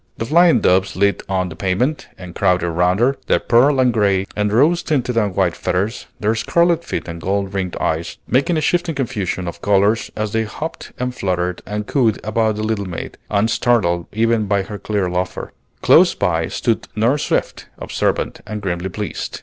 The flying doves lit on the pavement, and crowded round her, their pearl and gray and rose tinted and white feathers, their scarlet feet and gold ringed eyes, making a shifting confusion of colors, as they hopped and fluttered and cooed about the little maid, unstartled even by her clear laughter. Close by stood Nurse Swift, observant and grimly pleased.